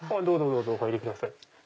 どうぞどうぞお入りください。